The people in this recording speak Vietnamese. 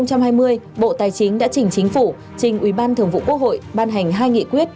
năm hai nghìn hai mươi bộ tài chính đã chỉnh chính phủ trình ubthqh ban hành hai nghị quyết